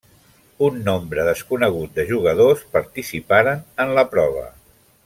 Un nombre desconegut de jugadors participaren en la prova.